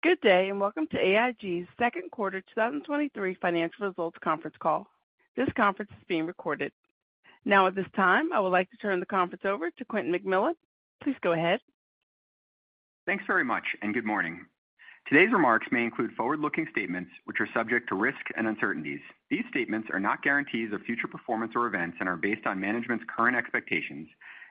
Good day and welcome to AIG's second quarter 2023 financial results conference call. This conference is being recorded. Now, at this time, I would like to turn the conference over to Quentin McMillan. Please go ahead. Thanks very much. Good morning. Today's remarks may include forward-looking statements which are subject to risk and uncertainties. These statements are not guarantees of future performance or events and are based on management's current expectations.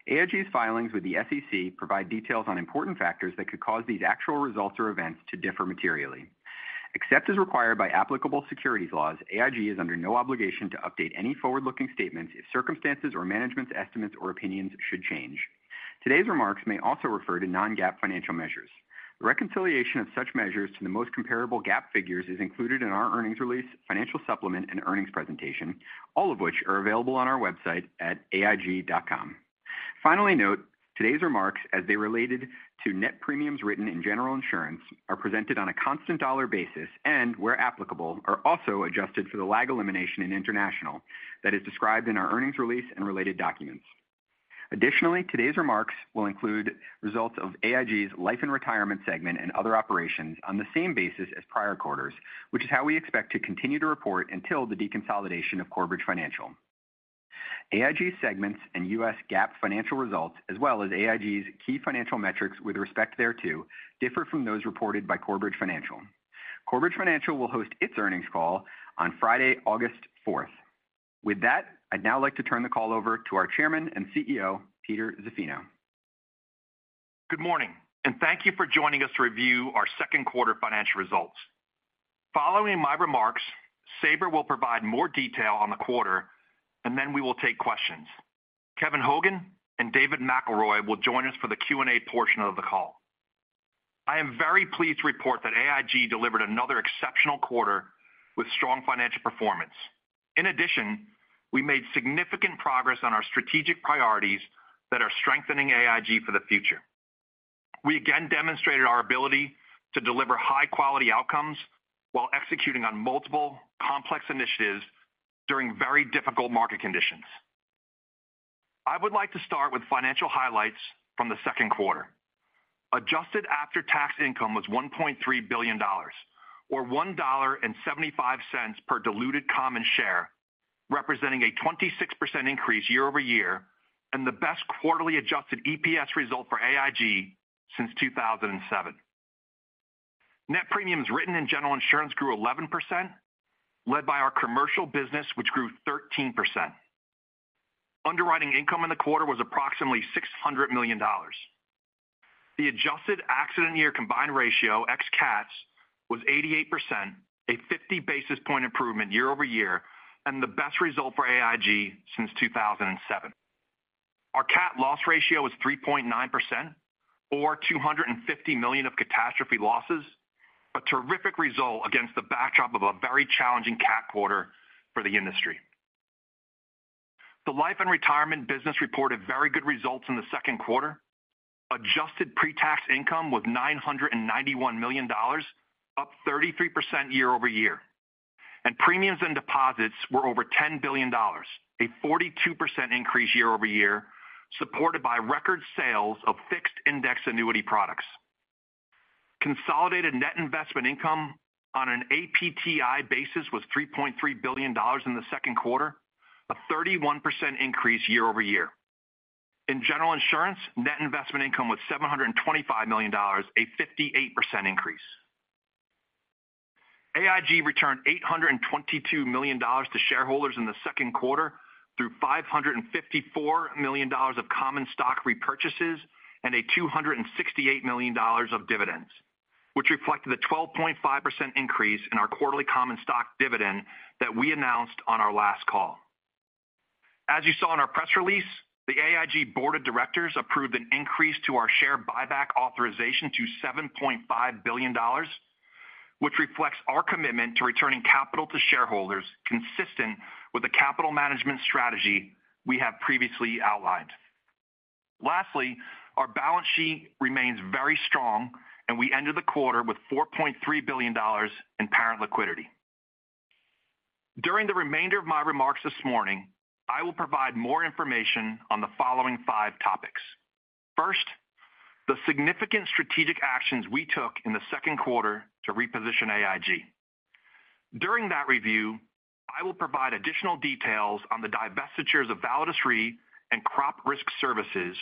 AIG's filings with the SEC provide details on important factors that could cause these actual results or events to differ materially. Except as required by applicable securities laws, AIG is under no obligation to update any forward-looking statements if circumstances or management's estimates or opinions should change. Today's remarks may also refer to non-GAAP financial measures. The reconciliation of such measures to the most comparable GAAP figures is included in our earnings release, financial supplement, and earnings presentation, all of which are available on our website at aig.com. Finally, note, today's remarks, as they related to net premiums written in General Insurance, are presented on a constant dollar basis and, where applicable, are also adjusted for the lag elimination in international that is described in our earnings release and related documents. Additionally, today's remarks will include results of AIG's Life & Retirement segment and other operations on the same basis as prior quarters, which is how we expect to continue to report until the deconsolidation of Corebridge Financial. AIG's segments and US GAAP financial results, as well as AIG's key financial metrics with respect thereto, differ from those reported by Corebridge Financial. Corebridge Financial will host its earnings call on Friday, August 4th. I'd now like to turn the call over to our Chairman and CEO, Peter Zaffino. Good morning, thank you for joining us to review our second quarter financial results. Following my remarks, Sabra will provide more detail on the quarter, and then we will take questions. Kevin Hogan and David McElroy will join us for the Q&A portion of the call. I am very pleased to report that AIG delivered another exceptional quarter with strong financial performance. In addition, we made significant progress on our strategic priorities that are strengthening AIG for the future. We again demonstrated our ability to deliver high-quality outcomes while executing on multiple complex initiatives during very difficult market conditions. I would like to start with financial highlights from the second quarter. Adjusted after-tax income was $1.3 billion, or $1.75 per diluted common share, representing a 26% increase year-over-year and the best quarterly adjusted EPS result for AIG since 2007. Net premiums written in General Insurance grew 11%, led by our commercial business, which grew 13%. Underwriting income in the quarter was approximately $600 million. The adjusted accident year combined ratio, ex-CATs, was 88%, a 50 basis point improvement year-over-year, and the best result for AIG since 2007. Our CAT loss ratio was 3.9%, or $250 million of catastrophe losses, a terrific result against the backdrop of a very challenging CAT quarter for the industry. The Life & Retirement business reported very good results in the second quarter. Adjusted pre-tax income was $991 million, up 33% year-over-year. Premiums and deposits were over $10 billion, a 42% increase year-over-year, supported by record sales of fixed index annuity products. Consolidated net investment income on an APTI basis was $3.3 billion in the second quarter, a 31% increase year-over-year. In general insurance, net investment income was $725 million, a 58% increase. AIG returned $822 million to shareholders in the second quarter through $554 million of common stock repurchases and a $268 million of dividends, which reflected the 12.5% increase in our quarterly common stock dividend that we announced on our last call. As you saw in our press release, the AIG board of directors approved an increase to our share buyback authorization to $7.5 billion, which reflects our commitment to returning capital to shareholders consistent with the capital management strategy we have previously outlined. Lastly, our balance sheet remains very strong, and we ended the quarter with $4.3 billion in parent liquidity. During the remainder of my remarks this morning, I will provide more information on the following five topics. First, the significant strategic actions we took in the second quarter to reposition AIG. During that review, I will provide additional details on the divestitures of Validus Re and Crop Risk Services,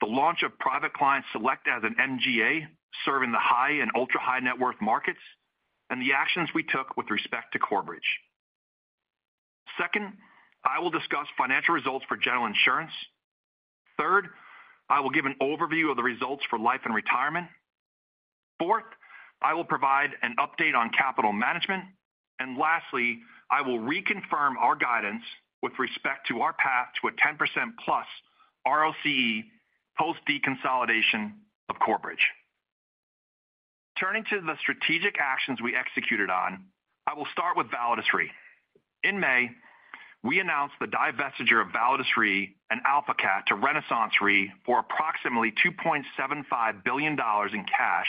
the launch of Private Client Select selected as an MGA serving the high and ultra-high net worth markets, and the actions we took with respect to Corebridge. Second, I will discuss financial results for general insurance. Third, I will give an overview of the results for life and retirement. Fourth, I will provide an update on capital management. Lastly, I will reconfirm our guidance with respect to our path to a 10%+ ROCE post-deconsolidation of Corebridge. Turning to the strategic actions we executed on, I will start with Validus Re. In May, we announced the divestiture of Validus Re and AlphaCat to RenaissanceRe for approximately $2.75 billion in cash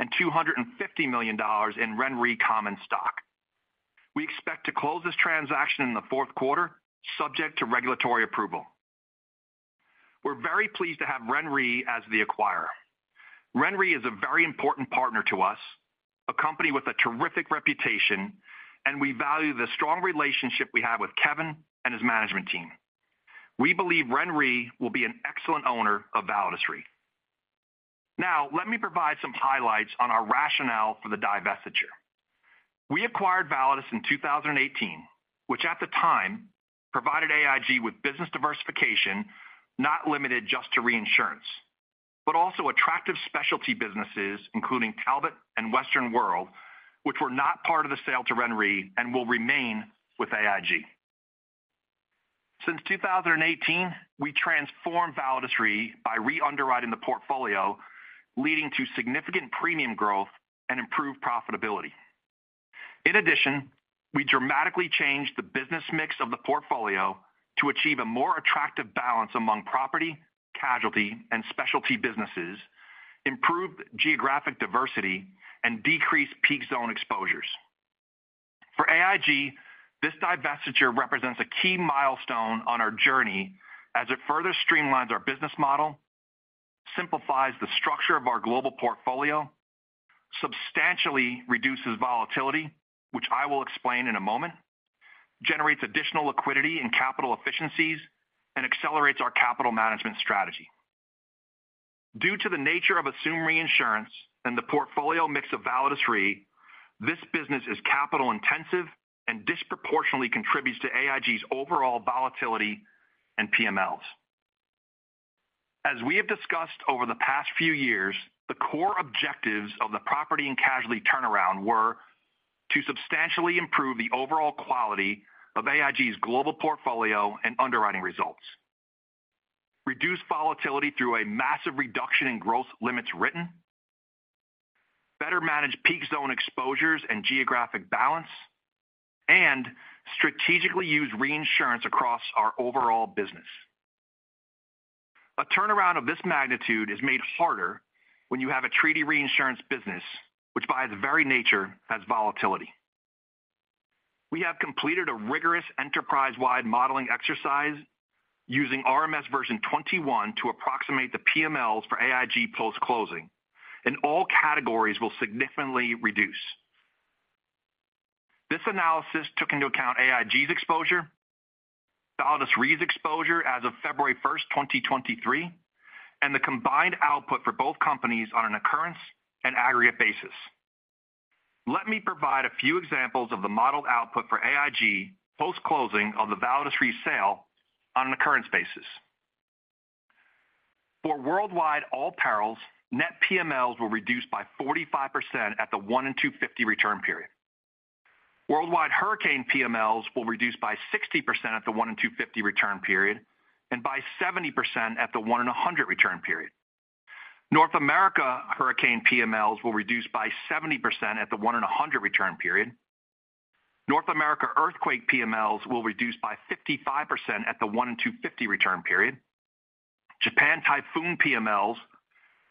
and $250 million in RenRe common stock. We expect to close this transaction in the fourth quarter, subject to regulatory approval. We're very pleased to have RenRe as the acquirer. RenRe is a very important partner to us, a company with a terrific reputation, and we value the strong relationship we have with Kevin and his management team. We believe RenRe will be an excellent owner of Validus Re. Let me provide some highlights on our rationale for the divestiture. We acquired Validus in 2018, which at the time provided AIG with business diversification not limited just to reinsurance, but also attractive specialty businesses including Talbot and Western World, which were not part of the sale to RenRe and will remain with AIG. Since 2018, we transformed Validus Re by re-underwriting the portfolio, leading to significant premium growth and improved profitability. In addition, we dramatically changed the business mix of the portfolio to achieve a more attractive balance among property, casualty, and specialty businesses, improved geographic diversity, and decreased peak zone exposures. For AIG, this divestiture represents a key milestone on our journey as it further streamlines our business model, simplifies the structure of our global portfolio, substantially reduces volatility, which I will explain in a moment, generates additional liquidity and capital efficiencies, and accelerates our capital management strategy. Due to the nature of assumed reinsurance and the portfolio mix of Validus Re, this business is capital-intensive and disproportionately contributes to AIG's overall volatility and PMLs. As we have discussed over the past few years, the core objectives of the property and casualty turnaround were to substantially improve the overall quality of AIG's global portfolio and underwriting results, reduce volatility through a massive reduction in gross limits written, better manage peak zone exposures and geographic balance, and strategically use reinsurance across our overall business. A turnaround of this magnitude is made harder when you have a treaty reinsurance business, which by its very nature has volatility. We have completed a rigorous enterprise-wide modeling exercise using RMS version 21 to approximate the PMLs for AIG post-closing, and all categories will significantly reduce. This analysis took into account AIG's exposure, Validus Re's exposure as of February 1st, 2023, and the combined output for both companies on an occurrence and aggregate basis. Let me provide a few examples of the modeled output for AIG post-closing of the Validus Re sale on an occurrence basis. For worldwide all perils, net PMLs will reduce by 45% at the 1 and 250 return period. Worldwide hurricane PMLs will reduce by 60% at the 1 and 250 return period and by 70% at the 1 and 100 return period. North America hurricane PMLs will reduce by 70% at the 1 and 100 return period. North America earthquake PMLs will reduce by 55% at the 1 and 250 return period. Japan typhoon PMLs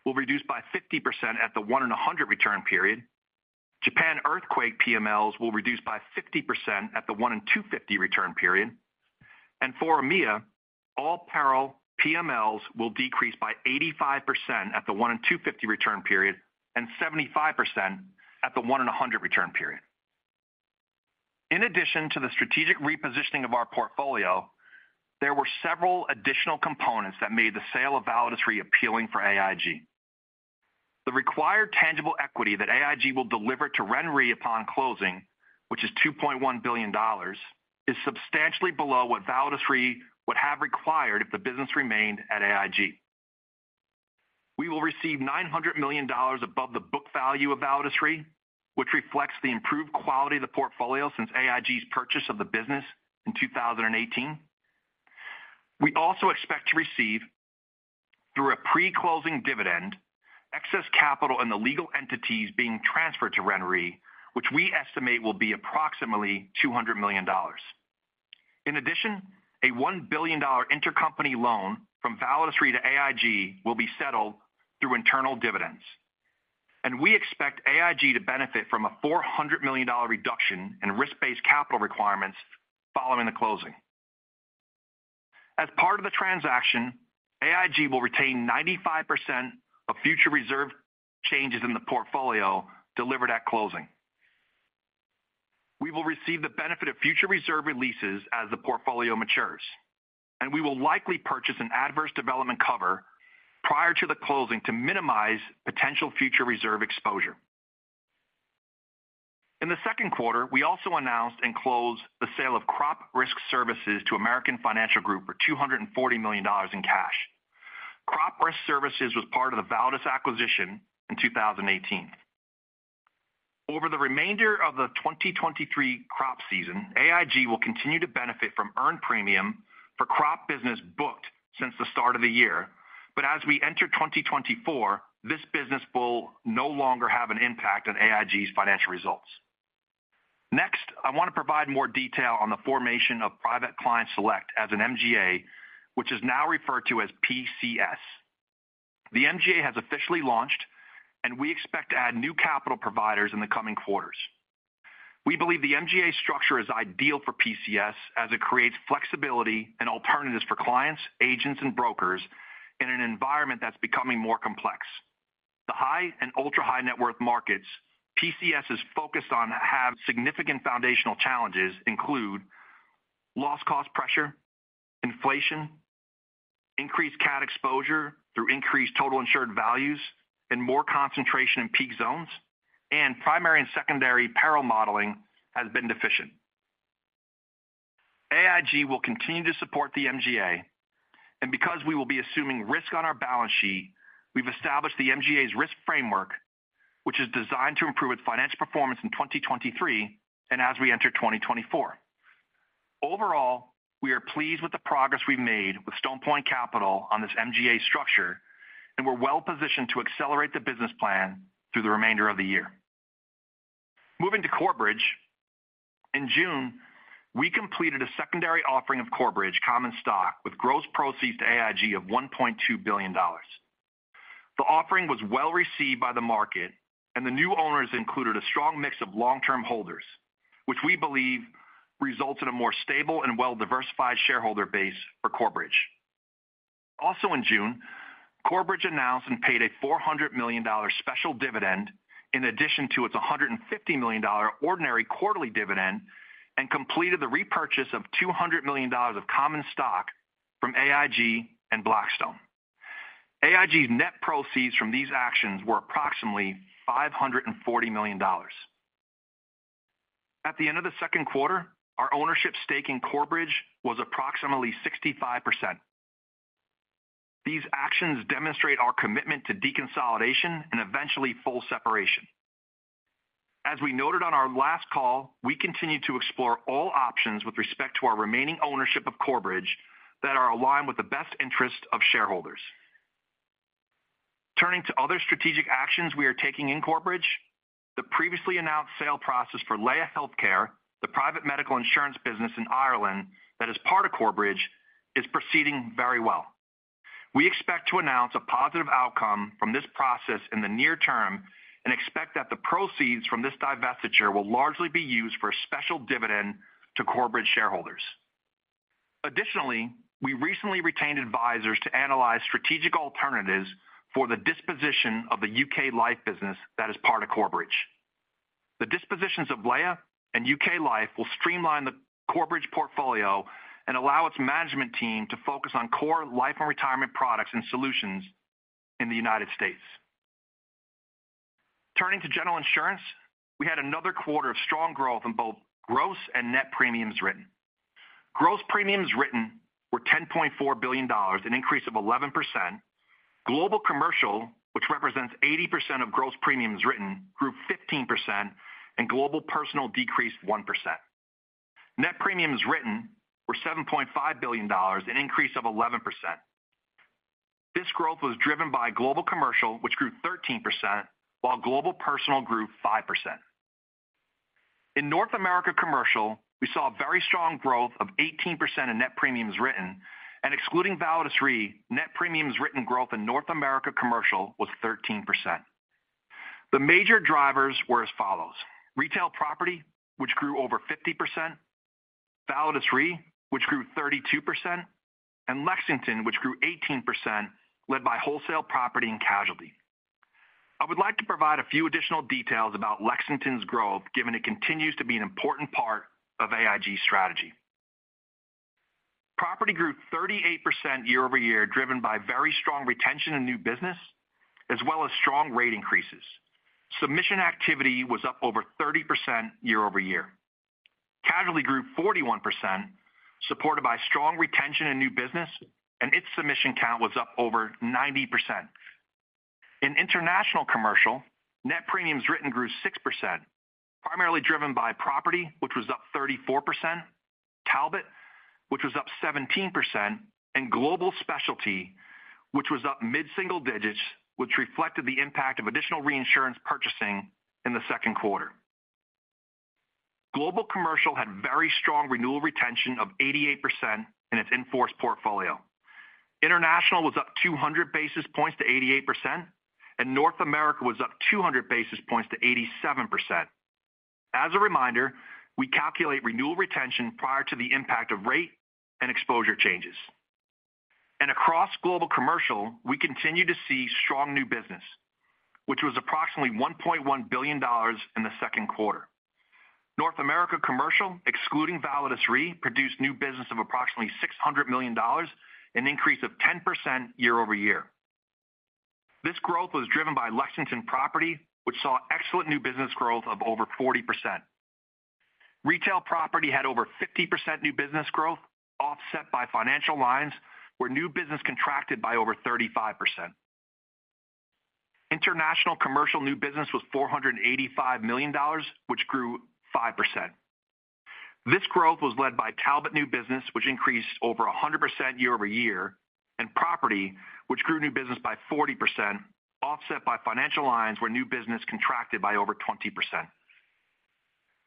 will reduce by 50% at the 1 and 100 return period. Japan earthquake PMLs will reduce by 50% at the 1 and 250 return period. For EMEA, all peril PMLs will decrease by 85% at the 1 and 250 return period and 75% at the 1 and 100 return period. In addition to the strategic repositioning of our portfolio, there were several additional components that made the sale of Validus Re appealing for AIG. The required tangible equity that AIG will deliver to RenRe upon closing, which is $2.1 billion, is substantially below what Validus Re would have required if the business remained at AIG. We will receive $900 million above the book value of Validus Re, which reflects the improved quality of the portfolio since AIG's purchase of the business in 2018. We also expect to receive, through a pre-closing dividend, excess capital in the legal entities being transferred to RenRe, which we estimate will be approximately $200 million. In addition, a $1 billion intercompany loan from Validus Re to AIG will be settled through internal dividends. We expect AIG to benefit from a $400 million reduction in risk-based capital requirements following the closing. As part of the transaction, AIG will retain 95% of future reserve changes in the portfolio delivered at closing. We will receive the benefit of future reserve releases as the portfolio matures. We will likely purchase an adverse development cover prior to the closing to minimize potential future reserve exposure. In the second quarter, we also announced and closed the sale of Crop Risk Services to American Financial Group for $240 million in cash. Crop Risk Services was part of the Validus acquisition in 2018. Over the remainder of the 2023 crop season, AIG will continue to benefit from earned premium for crop business booked since the start of the year, but as we enter 2024, this business will no longer have an impact on AIG's financial results. Next, I want to provide more detail on the formation of Private Client Select as an MGA, which is now referred to as PCS. The MGA has officially launched, and we expect to add new capital providers in the coming quarters. We believe the MGA structure is ideal for PCS as it creates flexibility and alternatives for clients, agents, and brokers in an environment that's becoming more complex. The high and ultra-high net worth markets PCS is focused on have significant foundational challenges include lost cost pressure, inflation, increased CAT exposure through increased total insured values, and more concentration in peak zones, and primary and secondary peril modeling has been deficient. AIG will continue to support the MGA. Because we will be assuming risk on our balance sheet, we've established the MGA's risk framework, which is designed to improve its financial performance in 2023 and as we enter 2024. Overall, we are pleased with the progress we've made with Stone Point Capital on this MGA structure. We're well positioned to accelerate the business plan through the remainder of the year. Moving to Corebridge, in June, we completed a secondary offering of Corebridge common stock with gross proceeds to AIG of $1.2 billion. The offering was well received by the market. The new owners included a strong mix of long-term holders, which we believe results in a more stable and well-diversified shareholder base for Corebridge. Also in June, Corebridge announced and paid a $400 million special dividend in addition to its $150 million ordinary quarterly dividend and completed the repurchase of $200 million of common stock from AIG and Blackstone. AIG's net proceeds from these actions were approximately $540 million. At the end of the second quarter, our ownership stake in Corebridge was approximately 65%. These actions demonstrate our commitment to deconsolidation and eventually full separation. As we noted on our last call, we continue to explore all options with respect to our remaining ownership of Corebridge Financial that are aligned with the best interests of shareholders. Turning to other strategic actions we are taking in Corebridge Financial, the previously announced sale process for Laya Healthcare, the private medical insurance business in Ireland that is part of Corebridge Financial, is proceeding very well. We expect to announce a positive outcome from this process in the near term and expect that the proceeds from this divestiture will largely be used for a special dividend to Corebridge Financial shareholders. Additionally, we recently retained advisors to analyze strategic alternatives for the disposition of the UK Life business that is part of Corebridge Financial. The dispositions of Laya Healthcare and AIG Life Limited will streamline the Corebridge Financial portfolio and allow its management team to focus on core life and retirement products and solutions in the United States. Turning to General Insurance, we had another quarter of strong growth in both gross and net premiums written. Gross premiums written were $10.4 billion, an increase of 11%. Global commercial, which represents 80% of gross premiums written, grew 15%, and global personal decreased 1%. Net premiums written were $7.5 billion, an increase of 11%. This growth was driven by global commercial, which grew 13%, while global personal grew 5%. In North America commercial, we saw a very strong growth of 18% in net premiums written, and excluding Validus Re, net premiums written growth in North America commercial was 13%. The major drivers were as follows: retail property, which grew over 50%; Validus Re, which grew 32%; and Lexington, which grew 18%, led by wholesale property and casualty. I would like to provide a few additional details about Lexington's growth given it continues to be an important part of AIG's strategy. Property grew 38% year-over-year driven by very strong retention and new business, as well as strong rate increases. Submission activity was up over 30% year-over-year. Casualty grew 41%, supported by strong retention and new business, and its submission count was up over 90%. In international commercial, net premiums written grew 6%, primarily driven by property, which was up 34%; Talbot, which was up 17%; and Global Specialty, which was up mid-single digits, which reflected the impact of additional reinsurance purchasing in the second quarter. Global commercial had very strong renewal retention of 88% in its enforced portfolio. International was up 200 basis points to 88%, and North America was up 200 basis points to 87%. As a reminder, we calculate renewal retention prior to the impact of rate and exposure changes. Across global commercial, we continue to see strong new business, which was approximately $1.1 billion in the second quarter. North America commercial, excluding Validus Re, produced new business of approximately $600 million, an increase of 10% year-over-year. This growth was driven by Lexington property, which saw excellent new business growth of over 40%. Retail property had over 50% new business growth, offset by financial lines, where new business contracted by over 35%. International commercial new business was $485 million, which grew 5%. This growth was led by Talbot new business, which increased over 100% year-over-year, and property, which grew new business by 40%, offset by financial lines where new business contracted by over 20%.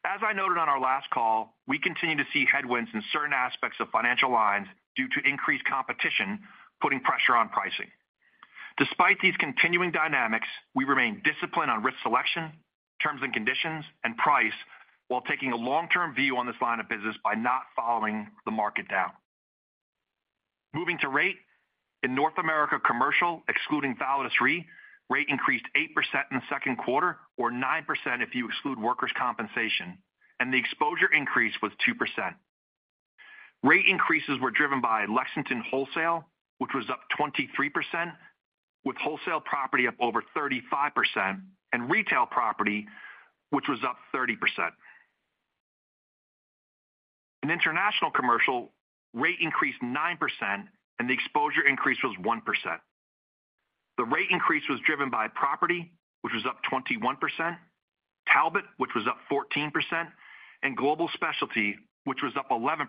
As I noted on our last call, we continue to see headwinds in certain aspects of financial lines due to increased competition putting pressure on pricing. Despite these continuing dynamics, we remain disciplined on risk selection, terms and conditions, and price while taking a long-term view on this line of business by not following the market down. Moving to rate, in North America commercial, excluding Validus Re, rate increased 8% in the second quarter, or 9% if you exclude workers' compensation, and the exposure increase was 2%. Rate increases were driven by Lexington wholesale, which was up 23%, with wholesale property up over 35%, and retail property, which was up 30%. In International Commercial, rate increased 9%, and the exposure increase was 1%. The rate increase was driven by property, which was up 21%, Talbot, which was up 14%, and Global Specialty, which was up 11%,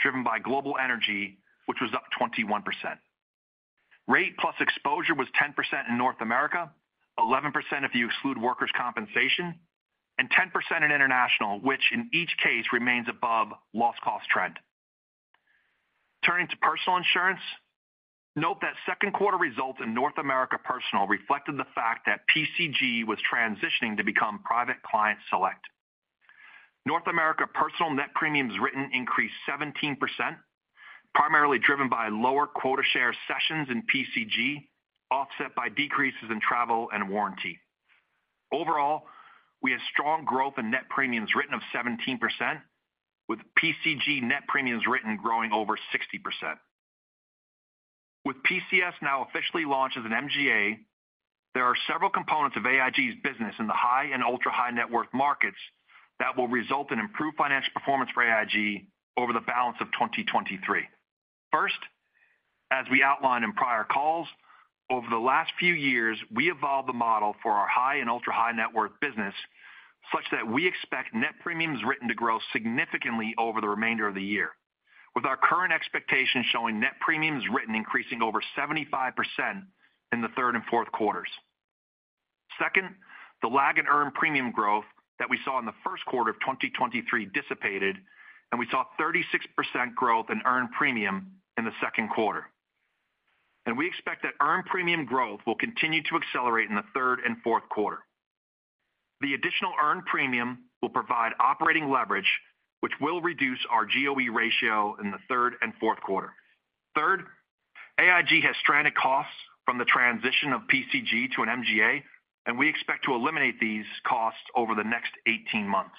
driven by Global Energy, which was up 21%. Rate plus exposure was 10% in North America, 11% if you exclude Workers' Compensation, and 10% in International, which in each case remains above lost cost trend. Turning to personal insurance, note that second quarter results in North America personal reflected the fact that PCG was transitioning to become Private Client Select. North America personal net premiums written increased 17%, primarily driven by lower quota share sessions in PCG, offset by decreases in travel and warranty. Overall, we have strong growth in net premiums written of 17%, with PCG net premiums written growing over 60%. With PCS now officially launched as an MGA, there are several components of AIG's business in the high and ultra-high net worth markets that will result in improved financial performance for AIG over the balance of 2023. As we outlined in prior calls, over the last few years, we evolved the model for our high and ultra-high net worth business such that we expect net premiums written to grow significantly over the remainder of the year, with our current expectations showing net premiums written increasing over 75% in the third and fourth quarters. Second, the lag in earned premium growth that we saw in the first quarter of 2023 dissipated, and we saw 36% growth in earned premium in the second quarter. We expect that earned premium growth will continue to accelerate in the third and fourth quarter. The additional earned premium will provide operating leverage, which will reduce our GOE ratio in the third and fourth quarter. Third, AIG has stranded costs from the transition of PCG to an MGA, and we expect to eliminate these costs over the next 18 months.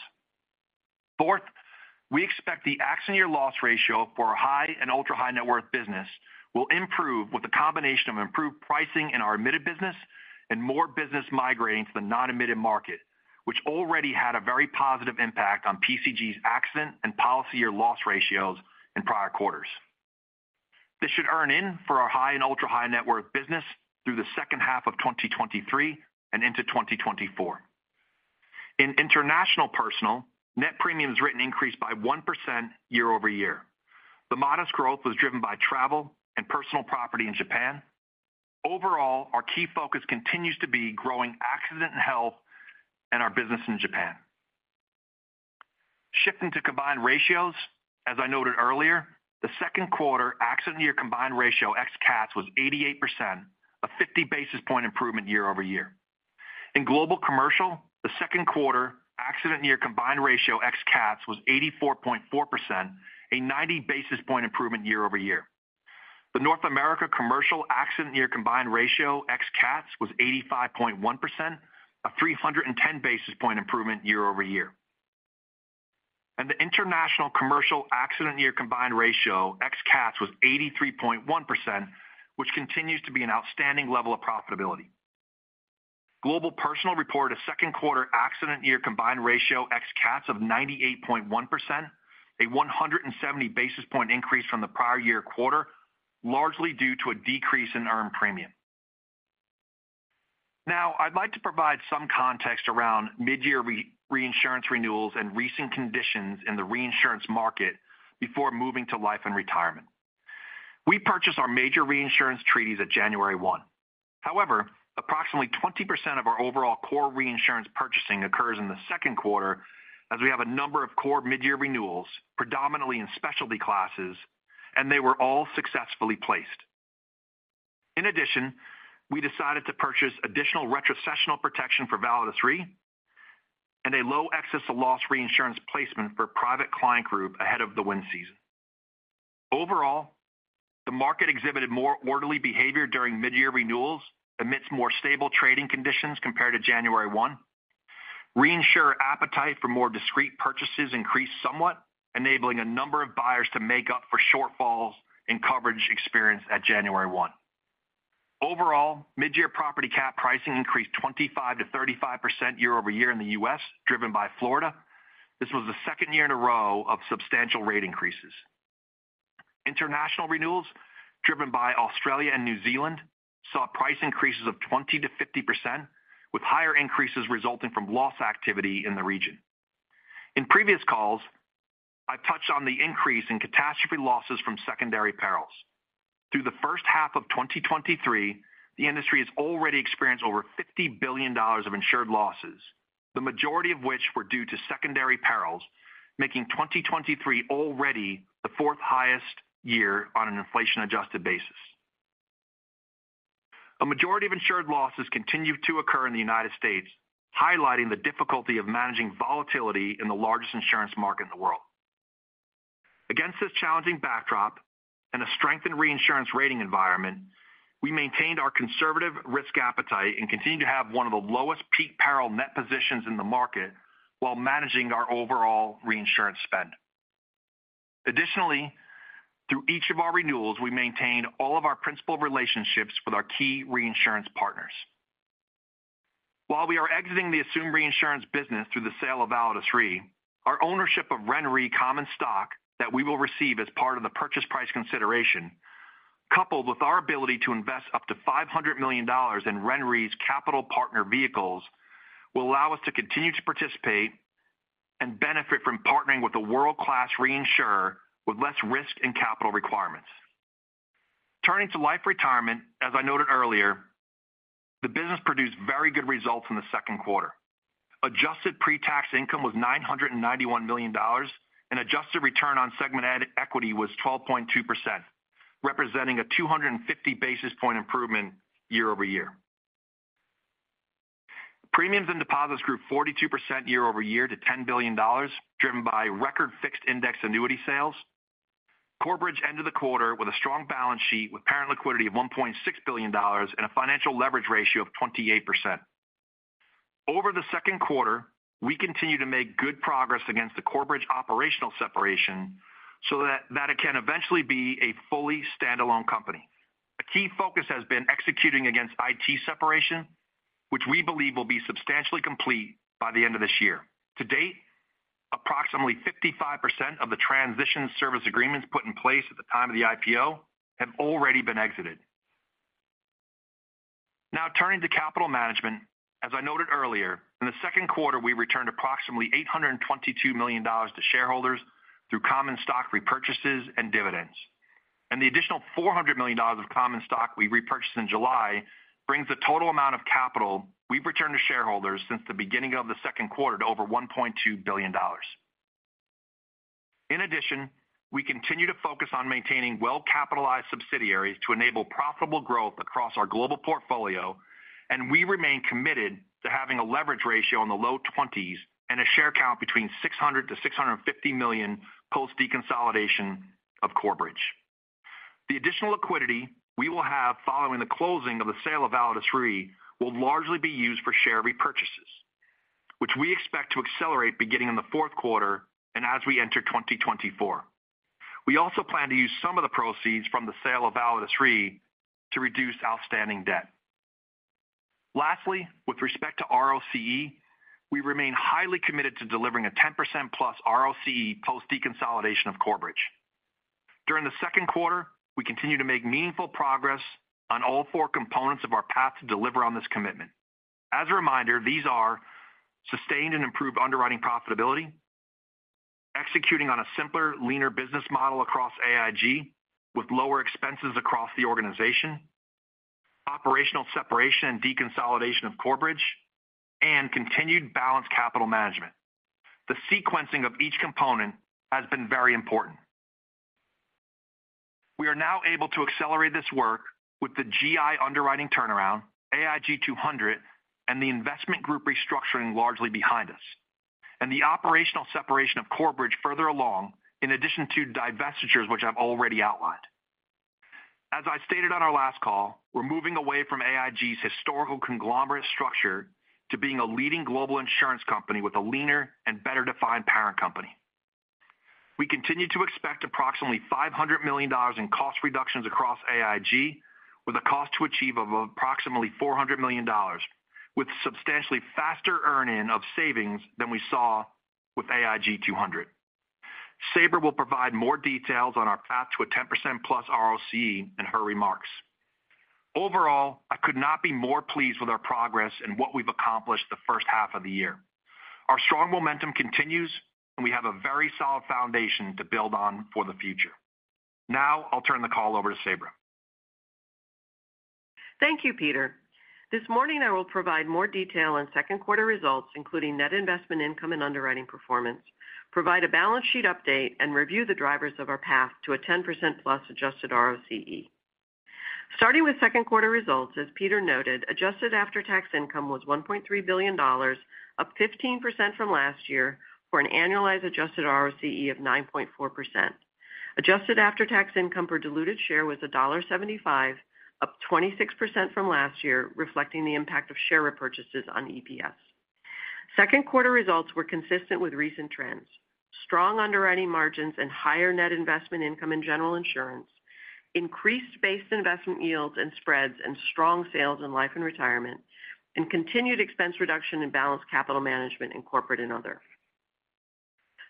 Fourth, we expect the action year loss ratio for our high and ultra-high net worth business will improve with a combination of improved pricing in our emitted business and more business migrating to the non-emitted market, which already had a very positive impact on PCG's accident and policy year loss ratios in prior quarters. This should earn in for our high and ultra-high net worth business through the second half of 2023 and into 2024. In international personal, net premiums written increased by 1% year-over-year. The modest growth was driven by travel and personal property in Japan. Overall, our key focus continues to be growing accident and health and our business in Japan. Shifting to combined ratios, as I noted earlier, the second quarter accident year combined ratio ex CATS was 88%, a 50 basis point improvement year-over-year. In global commercial, the second quarter accident year combined ratio ex CATS was 84.4%, a 90 basis point improvement year-over-year. The North America commercial accident year combined ratio ex CATS was 85.1%, a 310 basis point improvement year-over-year. The international commercial accident year combined ratio ex CATS was 83.1%, which continues to be an outstanding level of profitability. Global personal reported a second quarter accident year combined ratio ex CATS of 98.1%, a 170 basis point increase from the prior year quarter, largely due to a decrease in earned premium. I'd like to provide some context around mid-year reinsurance renewals and recent conditions in the reinsurance market before moving to life and retirement. We purchased our major reinsurance treaties at January 1. Approximately 20% of our overall core reinsurance purchasing occurs in the second quarter as we have a number of core mid-year renewals, predominantly in specialty classes, and they were all successfully placed. In addition, we decided to purchase additional retrocessional protection for Validus Re and a low excess of loss reinsurance placement for Private Client Group ahead of the wind season. Overall, the market exhibited more orderly behavior during mid-year renewals, emits more stable trading conditions compared to January 1. Reinsurer appetite for more discrete purchases increased somewhat, enabling a number of buyers to make up for shortfalls in coverage experience at January 1. Overall, mid-year property cap pricing increased 25%-35% year-over-year in the U.S., driven by Florida. This was the second year in a row of substantial rate increases. International renewals, driven by Australia and New Zealand, saw price increases of 20%-50%, with higher increases resulting from loss activity in the region. In previous calls, I've touched on the increase in catastrophe losses from secondary perils. Through the first half of 2023, the industry has already experienced over $50 billion of insured losses, the majority of which were due to secondary perils, making 2023 already the 4th highest year on an inflation-adjusted basis. A majority of insured losses continue to occur in the United States, highlighting the difficulty of managing volatility in the largest insurance market in the world. Against this challenging backdrop and a strengthened reinsurance rating environment, we maintained our conservative risk appetite and continue to have one of the lowest peak peril net positions in the market while managing our overall reinsurance spend. Through each of our renewals, we maintained all of our principal relationships with our key reinsurance partners. While we are exiting the assumed reinsurance business through the sale of Validus Re, our ownership of RenRe common stock that we will receive as part of the purchase price consideration, coupled with our ability to invest up to $500 million in RenRe's capital partner vehicles, will allow us to continue to participate and benefit from partnering with a world-class reinsurer with less risk and capital requirements. Turning to Life & Retirement, as I noted earlier, the business produced very good results in the second quarter. Adjusted pre-tax income was $991 million, and adjusted return on segmented equity was 12.2%, representing a 250 basis point improvement year-over-year. Premiums and deposits grew 42% year-over-year to $10 billion, driven by record fixed index annuity sales. Corebridge ended the quarter with a strong balance sheet with parent liquidity of $1.6 billion and a financial leverage ratio of 28%. Over the second quarter, we continue to make good progress against the Corebridge operational separation so that it can eventually be a fully standalone company. A key focus has been executing against IT separation, which we believe will be substantially complete by the end of this year. To date, approximately 55% of the transition service agreements put in place at the time of the IPO have already been exited. Now, turning to capital management, as I noted earlier, in the second quarter, we returned approximately $822 million to shareholders through common stock repurchases and dividends. The additional $400 million of common stock we repurchased in July brings the total amount of capital we've returned to shareholders since the beginning of the second quarter to over $1.2 billion. In addition, we continue to focus on maintaining well-capitalized subsidiaries to enable profitable growth across our global portfolio, and we remain committed to having a leverage ratio in the low 20s and a share count between 600 million-650 million post-deconsolidation of Corebridge. The additional liquidity we will have following the closing of the sale of Validus Re will largely be used for share repurchases, which we expect to accelerate beginning in the fourth quarter and as we enter 2024. We also plan to use some of the proceeds from the sale of Validus Re to reduce outstanding debt. Lastly, with respect to ROCE, we remain highly committed to delivering a 10%+ ROCE post-deconsolidation of Corebridge. During the second quarter, we continue to make meaningful progress on all four components of our path to deliver on this commitment. As a reminder, these are sustained and improved underwriting profitability, executing on a simpler, leaner business model across AIG with lower expenses across the organization, operational separation and deconsolidation of Corebridge, and continued balanced capital management. The sequencing of each component has been very important. We are now able to accelerate this work with the GI underwriting turnaround, AIG 200, and the investment group restructuring largely behind us, and the operational separation of Corebridge further along in addition to divestitures, which I've already outlined. As I stated on our last call, we're moving away from AIG's historical conglomerate structure to being a leading global insurance company with a leaner and better-defined parent company. We continue to expect approximately $500 million in cost reductions across AIG with a cost to achieve of approximately $400 million, with substantially faster earn-in of savings than we saw with AIG 200. Sabra will provide more details on our path to a 10%+ ROCE in her remarks. Overall, I could not be more pleased with our progress and what we've accomplished the first half of the year. Our strong momentum continues, and we have a very solid foundation to build on for the future. Now, I'll turn the call over to Sabra. Thank you, Peter. This morning, I will provide more detail on second quarter results, including net investment income and underwriting performance, provide a balance sheet update, and review the drivers of our path to a 10%+ adjusted ROCE. Starting with second quarter results, as Peter noted, adjusted after-tax income was $1.3 billion, up 15% from last year for an annualized adjusted ROCE of 9.4%. Adjusted after-tax income per diluted share was $1.75, up 26% from last year, reflecting the impact of share repurchases on EPS. Second quarter results were consistent with recent trends: strong underwriting margins and higher net investment income in General Insurance, increased base investment yields and spreads and strong sales in Life & Retirement, and continued expense reduction in balanced capital management in corporate and other.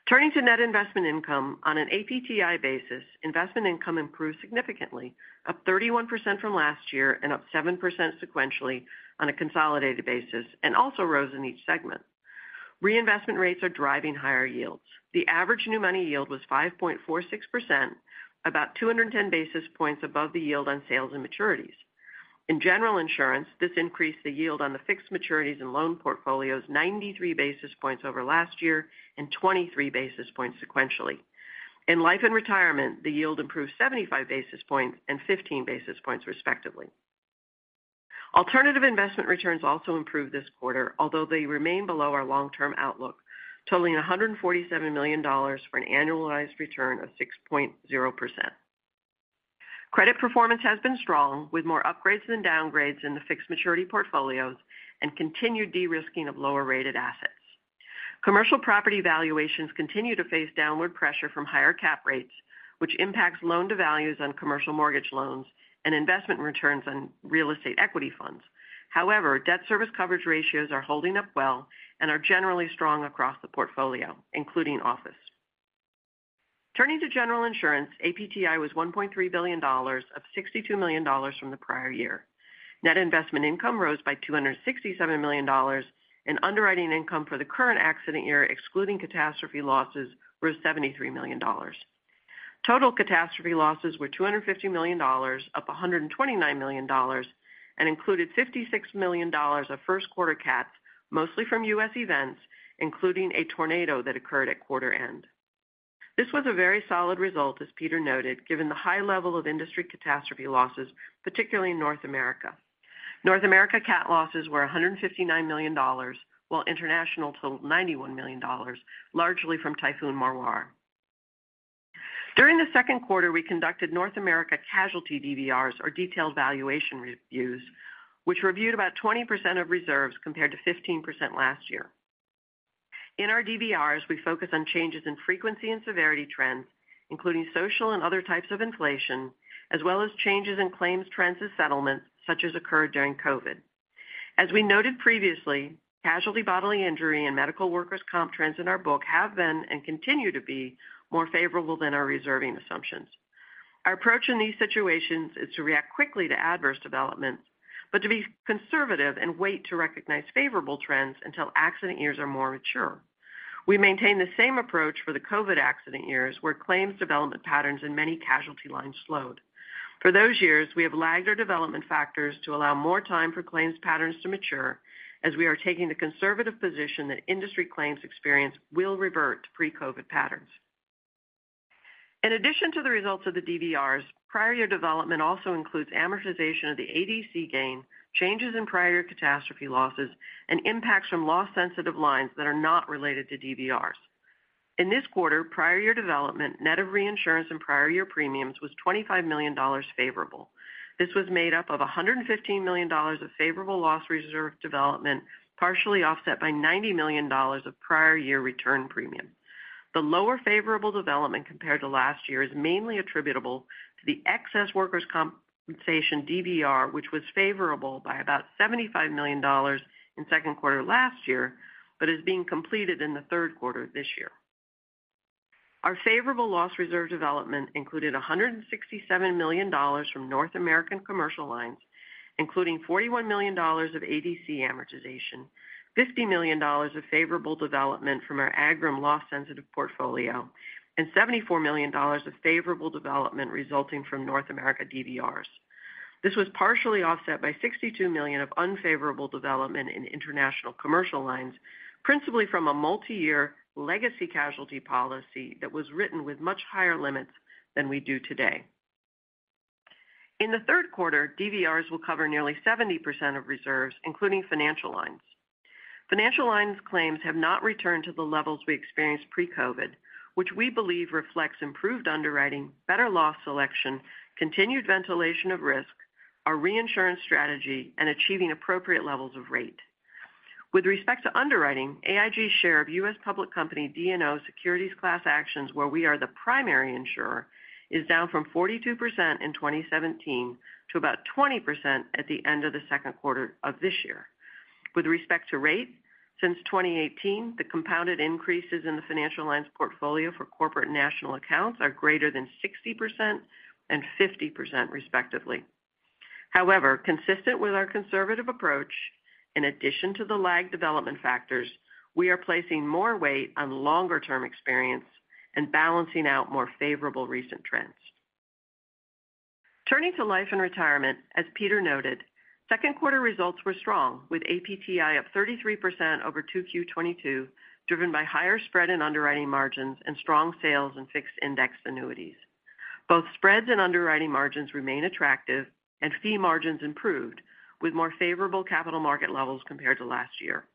Turning to net investment income, on an APTI basis, investment income improved significantly, up 31% from last year and up 7% sequentially on a consolidated basis, also rose in each segment. Reinvestment rates are driving higher yields. The average new money yield was 5.46%, about 210 basis points above the yield on sales and maturities. In General Insurance, this increased the yield on the fixed maturities and loan portfolios 93 basis points over last year and 23 basis points sequentially. In Life & Retirement, the yield improved 75 basis points and 15 basis points, respectively. Alternative investment returns also improved this quarter, although they remain below our long-term outlook, totaling $147 million for an annualized return of 6.0%. Credit performance has been strong, with more upgrades than downgrades in the fixed maturity portfolios and continued de-risking of lower-rated assets. Commercial property valuations continue to face downward pressure from higher cap rates, which impacts loan-to-values on commercial mortgage loans and investment returns on real estate equity funds. Debt service coverage ratios are holding up well and are generally strong across the portfolio, including office. Turning to General Insurance, APTI was $1.3 billion, up $62 million from the prior year. Net investment income rose by $267 million, underwriting income for the current accident year, excluding catastrophe losses, rose $73 million. Total catastrophe losses were $250 million, up $129 million, included $56 million of first quarter CATs, mostly from U.S. events, including a tornado that occurred at quarter end. This was a very solid result, as Peter noted, given the high level of industry catastrophe losses, particularly in North America. North America CAT losses were $159 million, while international totaled $91 million, largely from Typhoon Mawar. During the second quarter, we conducted North America Casualty DVRs, or detailed valuation reviews, which reviewed about 20% of reserves compared to 15% last year. In our DVRs, we focus on changes in frequency and severity trends, including social and other types of inflation, as well as changes in claims trends and settlements such as occurred during COVID. As we noted previously, casualty bodily injury and medical workers' comp trends in our book have been and continue to be more favorable than our reserving assumptions. Our approach in these situations is to react quickly to adverse developments, but to be conservative and wait to recognize favorable trends until accident years are more mature. We maintain the same approach for the COVID accident years, where claims development patterns in many casualty lines slowed. For those years, we have lagged our development factors to allow more time for claims patterns to mature, as we are taking the conservative position that industry claims experience will revert to pre-COVID patterns. In addition to the results of the DVRs, prior year development also includes amortization of the ADC gain, changes in prior year catastrophe losses, and impacts from loss-sensitive lines that are not related to DVRs. In this quarter, prior year development, net of reinsurance and prior year premiums, was $25 million favorable. This was made up of $115 million of favorable loss reserve development, partially offset by $90 million of prior year return premium. The lower favorable development compared to last year is mainly attributable to the excess workers' compensation DVR, which was favorable by about $75 million in second quarter last year, but is being completed in the third quarter this year. Our favorable loss reserve development included $167 million from North American commercial lines, including $41 million of ADC amortization, $50 million of favorable development from our AIGRM loss-sensitive portfolio, and $74 million of favorable development resulting from North America DVRs. This was partially offset by $62 million of unfavorable development in international commercial lines, principally from a multi-year legacy casualty policy that was written with much higher limits than we do today. In the third quarter, DVRs will cover nearly 70% of reserves, including financial lines. Financial lines claims have not returned to the levels we experienced pre-COVID, which we believe reflects improved underwriting, better loss selection, continued ventilation of risk, our reinsurance strategy, and achieving appropriate levels of rate. With respect to underwriting, AIG's share of U.S. public company D&O Securities Class Actions, where we are the primary insurer, is down from 42% in 2017 to about 20% at the end of the second quarter of this year. With respect to rate, since 2018, the compounded increases in the financial lines portfolio for corporate national accounts are greater than 60% and 50%, respectively. Consistent with our conservative approach, in addition to the lagged development factors, we are placing more weight on longer-term experience and balancing out more favorable recent trends. Turning to life and retirement, as Peter noted, second quarter results were strong, with APTI up 33% over 2Q2022, driven by higher spread and underwriting margins and strong sales and fixed index annuities. Both spreads and underwriting margins remain attractive, and fee margins improved, with more favorable capital market levels compared to last year.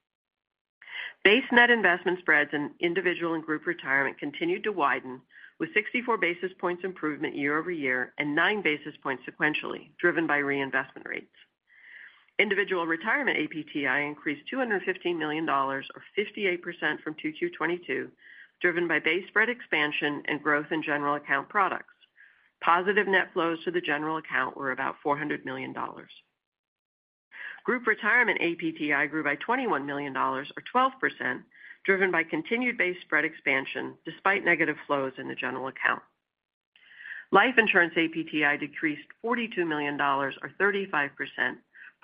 Base net investment spreads in Individual Retirement and Group Retirement continued to widen, with 64 basis points improvement year-over-year and 9 basis points sequentially, driven by reinvestment rates. Individual Retirement APTI increased $215 million, or 58% from 2Q22, driven by base spread expansion and growth in general account products. Positive net flows to the general account were about $400 million. Group Retirement APTI grew by $21 million, or 12%, driven by continued base spread expansion despite negative flows in the general account. Life Insurance APTI decreased $42 million, or 35%,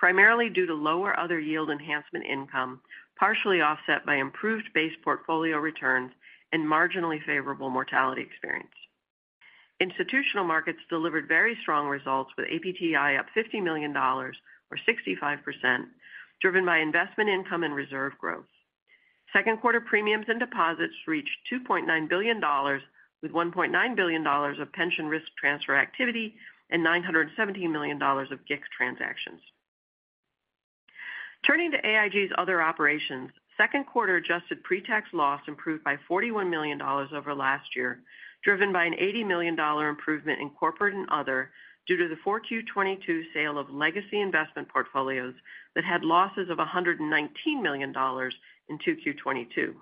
primarily due to lower other yield enhancement income, partially offset by improved base portfolio returns and marginally favorable mortality experience. Institutional Markets delivered very strong results, with APTI up $50 million, or 65%, driven by investment income and reserve growth. Second quarter premiums and deposits reached $2.9 billion, with $1.9 billion of pension risk transfer activity and $917 million of GICS transactions. Turning to AIG's other operations, second quarter adjusted pre-tax loss improved by $41 million over last year, driven by an $80 million improvement in corporate and other due to the 4Q22 sale of legacy investment portfolios that had losses of $119 million in 2Q22.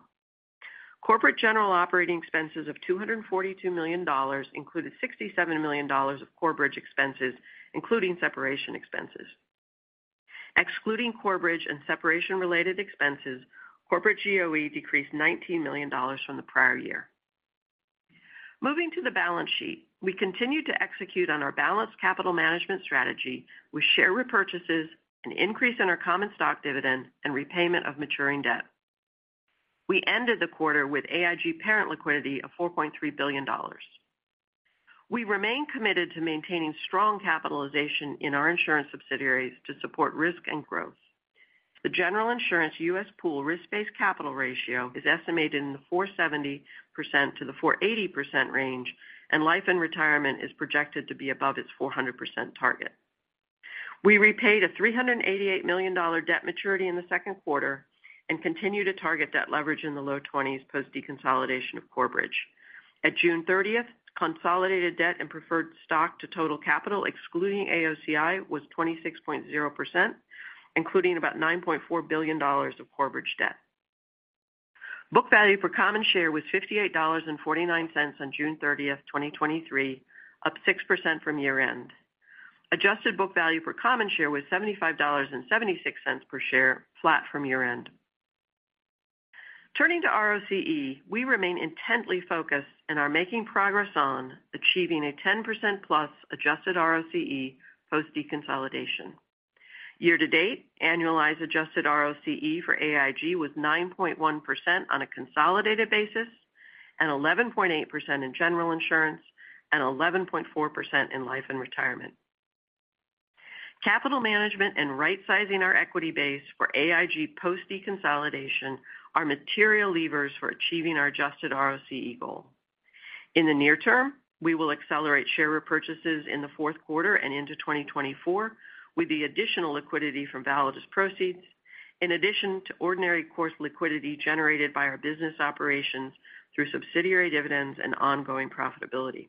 Corporate general operating expenses of $242 million included $67 million of Corebridge expenses, including separation expenses. Excluding Corebridge and separation-related expenses, corporate GOE decreased $19 million from the prior year. Moving to the balance sheet, we continue to execute on our balanced capital management strategy with share repurchases, an increase in our common stock dividend, and repayment of maturing debt. We ended the quarter with AIG parent liquidity of $4.3 billion. We remain committed to maintaining strong capitalization in our insurance subsidiaries to support risk and growth. The General Insurance US pool risk-based capital ratio is estimated in the 470%-480% range, and Life & Retirement is projected to be above its 400% target. We repaid a $388 million debt maturity in the second quarter and continue to target debt leverage in the low 20s post-deconsolidation of Corebridge. At June 30th, consolidated debt and preferred stock to total capital, excluding AOCI, was 26.0%, including about $9.4 billion of Corebridge debt. Book value per common share was $58.49 on June 30th, 2023, up 6% from year-end. Adjusted book value per common share was $75.76 per share, flat from year-end. Turning to ROCE, we remain intently focused and are making progress on achieving a 10%+ adjusted ROCE post-deconsolidation. Year-to-date, annualized adjusted ROCE for AIG was 9.1% on a consolidated basis, and 11.8% in general insurance, and 11.4% in life and retirement. Capital management and right-sizing our equity base for AIG post-deconsolidation are material levers for achieving our adjusted ROCE goal. In the near term, we will accelerate share repurchases in the fourth quarter and into 2024 with the additional liquidity from Validus proceeds, in addition to ordinary course liquidity generated by our business operations through subsidiary dividends and ongoing profitability.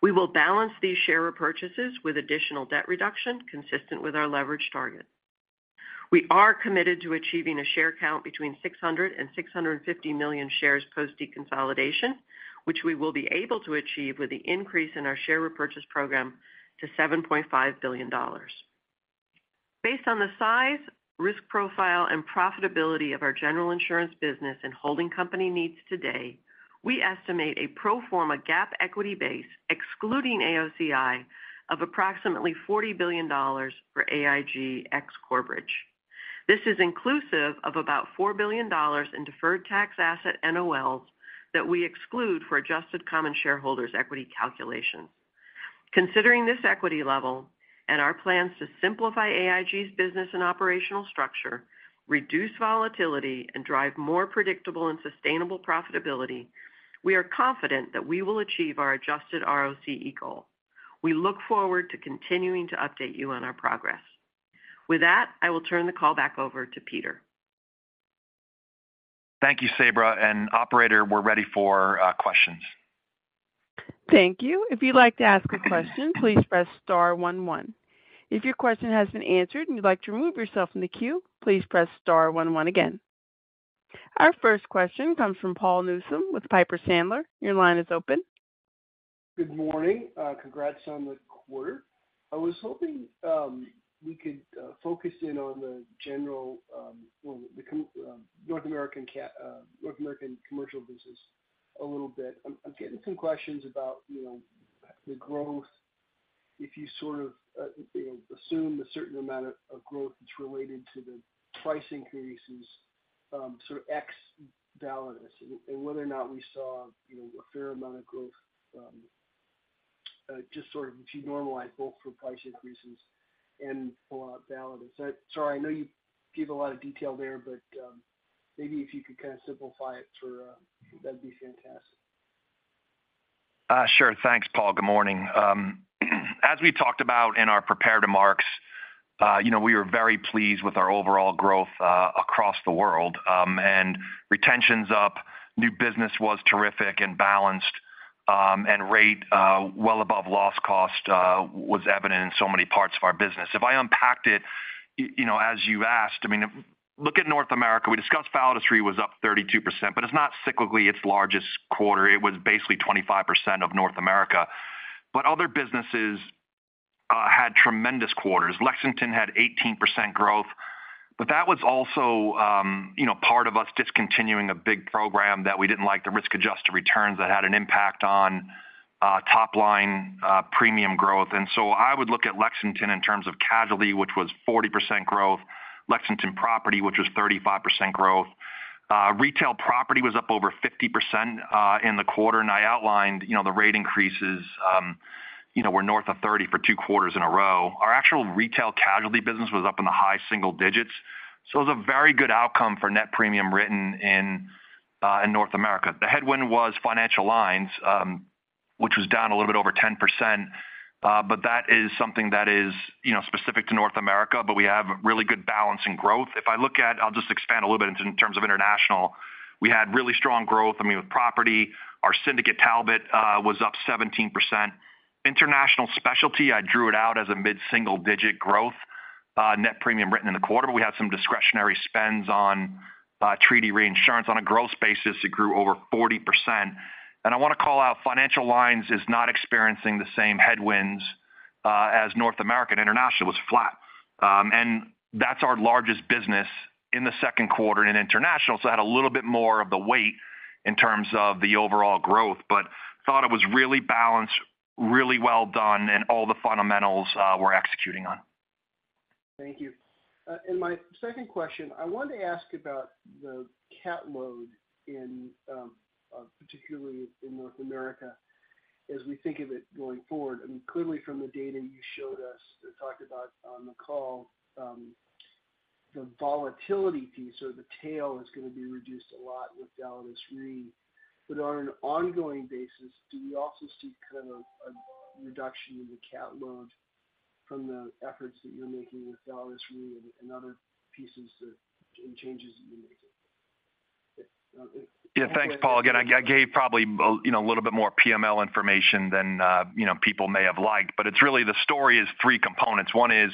We will balance these share repurchases with additional debt reduction consistent with our leverage target. We are committed to achieving a share count between 600 million and 650 million shares post-deconsolidation, which we will be able to achieve with the increase in our share repurchase program to $7.5 billion. Based on the size, risk profile, and profitability of our general insurance business and holding company needs today, we estimate a pro forma GAAP equity base, excluding AOCI, of approximately $40 billion for AIG ex-Corebridge. This is inclusive of about $4 billion in deferred tax asset NOLs that we exclude for adjusted common shareholders equity calculations. Considering this equity level and our plans to simplify AIG's business and operational structure, reduce volatility, and drive more predictable and sustainable profitability, we are confident that we will achieve our adjusted ROCE goal. We look forward to continuing to update you on our progress. With that, I will turn the call back over to Peter. Thank you, Sabra. Operator, we're ready for questions. Thank you. If you'd like to ask a question, please press star one one. If your question has been answered and you'd like to remove yourself from the queue, please press star one one again. Our first question comes from Paul Newsome with Piper Sandler. Your line is open. Good morning. Congrats on the quarter. I was hoping we could focus in on the general well, the North American commercial business a little bit. I'm getting some questions about the growth. If you sort of assume a certain amount of growth that's related to the price increases, sort of ex-Validus, and whether or not we saw a fair amount of growth just sort of if you normalize both for price increases and pull out Validus? Sorry, I know you gave a lot of detail there, but maybe if you could kind of simplify it for that'd be fantastic? Sure. Thanks, Paul. Good morning. As we talked about in our prepared remarks, we were very pleased with our overall growth across the world. Retention's up. New business was terrific and balanced. Rate well above loss cost was evident in so many parts of our business. If I unpacked it, as you asked, I mean, look at North America. We discussed Validus rate was up 32%, but it's not cyclically its largest quarter. It was basically 25% of North America. Other businesses had tremendous quarters. Lexington had 18% growth. That was also part of us discontinuing a big program that we didn't like, the risk-adjusted returns, that had an impact on top-line premium growth. I would look at Lexington in terms of casualty, which was 40% growth. Lexington property, which was 35% growth. Retail property was up over 50% in the quarter. I outlined the rate increases. We're north of 30 for two quarters in a row. Our actual retail casualty business was up in the high single digits. It was a very good outcome for net premium written in North America. The headwind was financial lines, which was down a little bit over 10%. That is something that is specific to North America, but we have really good balance in growth. If I look at I'll just expand a little bit in terms of international. We had really strong growth, I mean, with property. Our syndicate Talbot was up 17%. International specialty, I drew it out as a mid-single digit growth net premium written in the quarter. We had some discretionary spends on treaty reinsurance. On a growth basis, it grew over 40%. I want to call out, financial lines is not experiencing the same headwinds as North America. International was flat. That's our largest business in the second quarter in international. It had a little bit more of the weight in terms of the overall growth. I thought it was really balanced, really well done, and all the fundamentals we're executing on. Thank you. My second question, I wanted to ask about the catload, particularly in North America, as we think of it going forward. I mean, clearly from the data you showed us and talked about on the call, the volatility piece or the tail is going to be reduced a lot with Validus Re. On an ongoing basis, do we also see kind of a reduction in the catload from the efforts that you're making with Validus Re and other pieces and changes that you're making? Yeah. Thanks, Paul. Again, I gave probably a little bit more PML information than people may have liked. It's really the story is three components. One is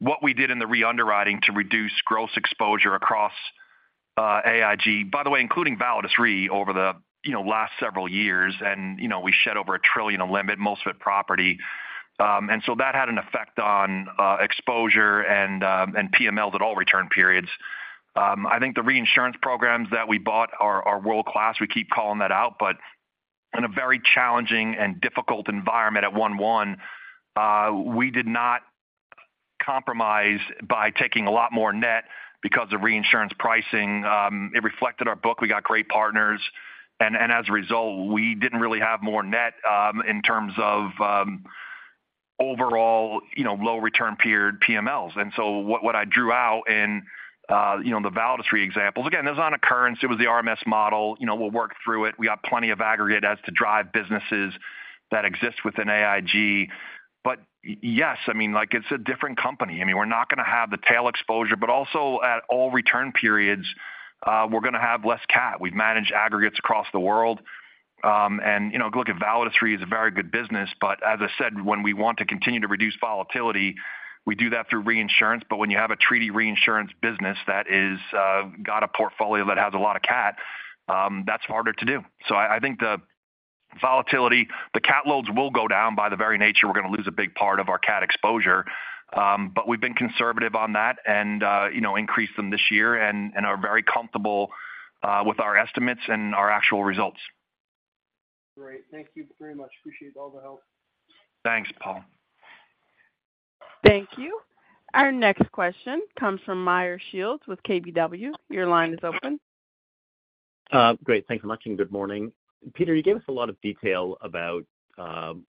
what we did in the re-underwriting to reduce growth exposure across AIG, by the way, including Validus Re over the last several years. We shed over 1 trillion of limit, most of it property. That had an effect on exposure and PMLs at all return periods. I think the reinsurance programs that we bought are world-class. We keep calling that out. In a very challenging and difficult environment at 1/1, we did not compromise by taking a lot more net because of reinsurance pricing. It reflected our book. We got great partners. As a result, we didn't really have more net in terms of overall low return period PMLs. So what I drew out in the Validus Re examples, again, there's not a currency. It was the RMS model. We'll work through it. We got plenty of aggregate as to drive businesses that exist within AIG. Yes, I mean, it's a different company. I mean, we're not going to have the tail exposure. Also at all return periods, we're going to have less CAT. We've managed aggregates across the world. Look at Validus Re, it's a very good business. As I said, when we want to continue to reduce volatility, we do that through reinsurance. When you have a treaty reinsurance business that has got a portfolio that has a lot of CAT, that's harder to do. I think the volatility, the CAT loads will go down by the very nature. We're going to lose a big part of our CAT exposure. We've been conservative on that and increased them this year and are very comfortable with our estimates and our actual results. Great. Thank you very much. Appreciate all the help. Thanks, Paul. Thank you. Our next question comes from Meyer Shields with KBW. Your line is open. Great. Thanks so much and good morning. Peter, you gave us a lot of detail about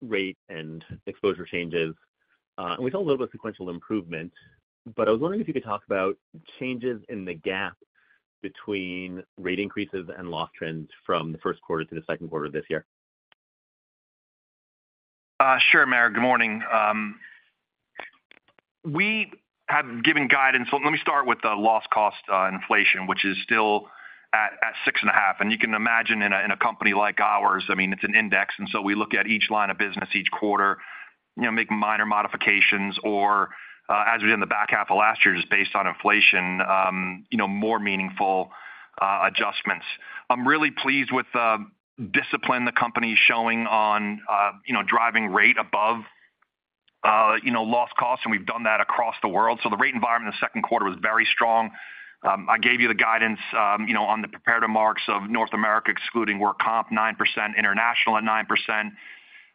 rate and exposure changes. We saw a little bit of sequential improvement. I was wondering if you could talk about changes in the gap between rate increases and loss trends from the first quarter to the second quarter this year? Sure, Meyer. Good morning. We have given guidance. Let me start with the loss cost inflation, which is still at 6.5%. You can imagine in a company like ours, I mean, it's an index. We look at each line of business each quarter, make minor modifications, or as we did in the back half of last year, just based on inflation, more meaningful adjustments. I'm really pleased with the discipline the company is showing on driving rate above loss cost. We've done that across the world. The rate environment in the second quarter was very strong. I gave you the guidance on the prepared remarks of North America excluding work comp, 9%, international at 9%.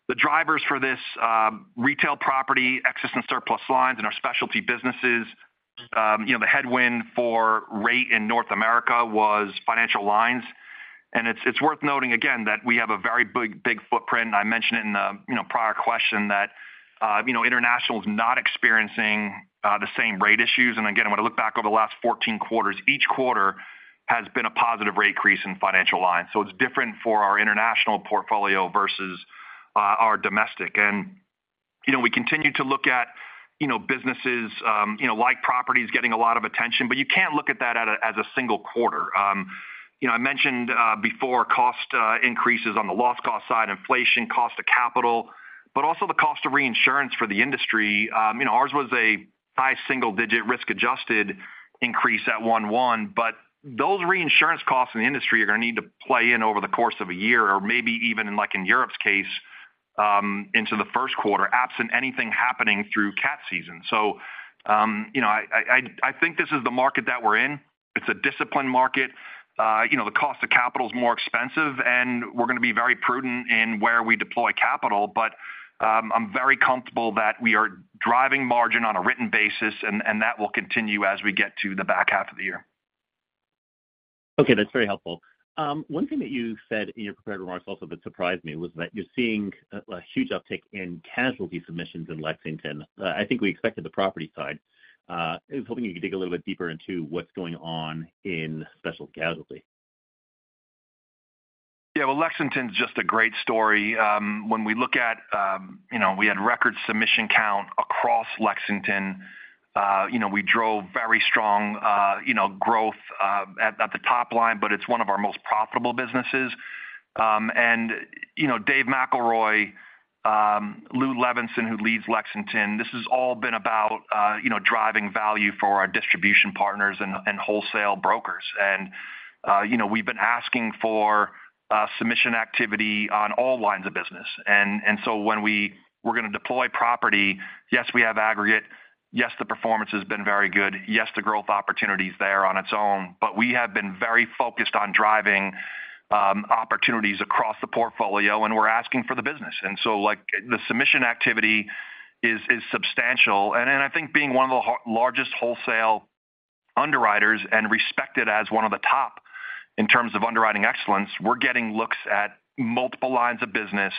The drivers for this retail property, existing surplus lines, and our specialty businesses, the headwind for rate in North America was financial lines. It's worth noting, again, that we have a very big, big footprint. I mentioned it in the prior question that international is not experiencing the same rate issues. Again, when I look back over the last 14 quarters, each quarter has been a positive rate increase in financial lines. It's different for our international portfolio versus our domestic. We continue to look at businesses like properties getting a lot of attention. You can't look at that as a single quarter. I mentioned before cost increases on the loss cost side, inflation, cost of capital, but also the cost of reinsurance for the industry. Ours was a high single-digit risk-adjusted increase at 11%. Those reinsurance costs in the industry are going to need to play in over the course of a year or maybe even in Europe's case into the first quarter, absent anything happening through cat season. I think this is the market that we're in. It's a disciplined market. The cost of capital is more expensive. We're going to be very prudent in where we deploy capital. I'm very comfortable that we are driving margin on a written basis. That will continue as we get to the back half of the year. Okay. That's very helpful. One thing that you said in your prepared remarks also that surprised me was that you're seeing a huge uptick in casualty submissions in Lexington. I think we expected the property side. I was hoping you could dig a little bit deeper into what's going on in specialty casualty? Yeah. Well, Lexington's just a great story. When we look at we had record submission count across Lexington. We drove very strong growth at the top line. It's one of our most profitable businesses. David McElroy, Lou Levinson, who leads Lexington, this has all been about driving value for our distribution partners and wholesale brokers. We've been asking for submission activity on all lines of business. When we're going to deploy property, yes, we have aggregate. Yes, the performance has been very good. Yes, the growth opportunity is there on its own. We have been very focused on driving opportunities across the portfolio. We're asking for the business. The submission activity is substantial. I think being one of the largest wholesale underwriters and respected as one of the top in terms of underwriting excellence, we're getting looks at multiple lines of business.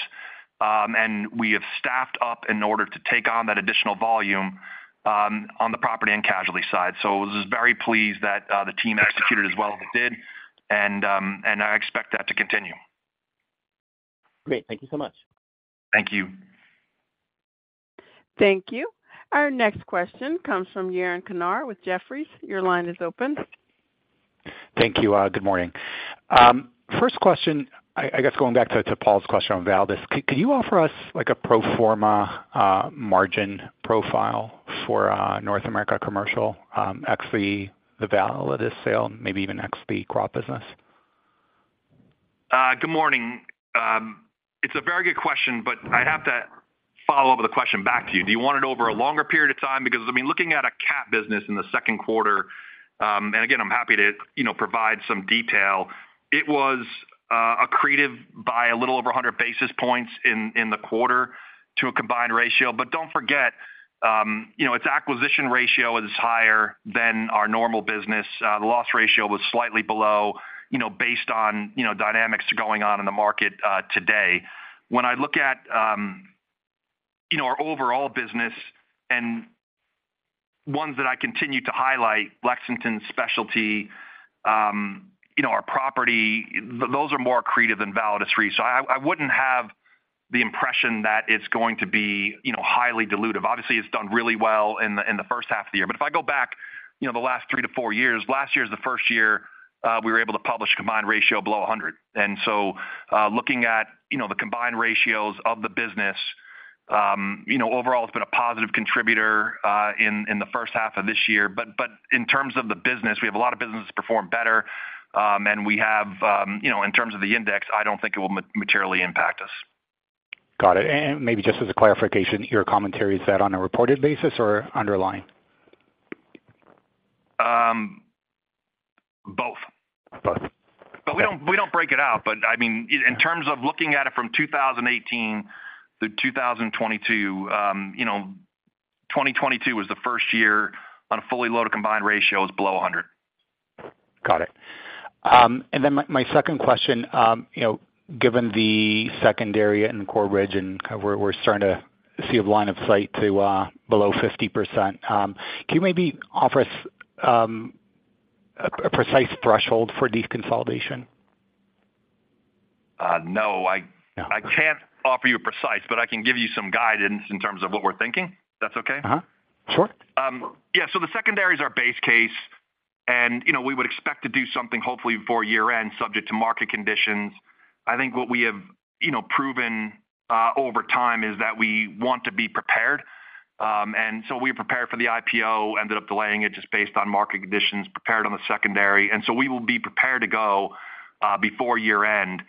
We have staffed up in order to take on that additional volume on the property and casualty side. I was very pleased that the team executed as well as it did. I expect that to continue. Great. Thank you so much. Thank you. Thank you. Our next question comes from Yaron Kinar with Jefferies. Your line is open. Thank you. Good morning. First question, I guess going back to Paul's question on Validus, could you offer us a pro forma margin profile for North America commercial, ex the Validus sale, maybe even ex the crop business? Good morning. It's a very good question. I have to follow up with the question back to you. Do you want it over a longer period of time? I mean, looking at a CAT business in the second quarter and again, I'm happy to provide some detail. It was accretive by a little over 100 basis points in the quarter to a combined ratio. Don't forget, its acquisition ratio is higher than our normal business. The loss ratio was slightly below based on dynamics going on in the market today. When I look at our overall business and ones that I continue to highlight, Lexington specialty, our property, those are more accretive than Validus Re. I wouldn't have the impression that it's going to be highly dilutive. Obviously, it's done really well in the first half of the year. If I go back the last three to four years, last year is the first year we were able to publish a combined ratio below 100. Looking at the combined ratios of the business, overall, it's been a positive contributor in the first half of this year. In terms of the business, we have a lot of businesses perform better. We have in terms of the index, I don't think it will materially impact us. Got it. Maybe just as a clarification, your commentary is that on a reported basis or underlying? Both. Both. We don't break it out. I mean, in terms of looking at it from 2018 through 2022, 2022 was the first year on a fully loaded combined ratio was below 100. Got it. Then my second question, given the secondary and Corebridge, and we're starting to see a line of sight to below 50%, can you maybe offer us a precise threshold for deconsolidation? No. I can't offer you a precise. I can give you some guidance in terms of what we're thinking. If that's okay? Sure. Yeah. The secondaries are base case. We would expect to do something, hopefully, before year-end, subject to market conditions. I think what we have proven over time is that we want to be prepared. We were prepared for the IPO, ended up delaying it just based on market conditions, prepared on the secondary. We will be prepared to go before year-end.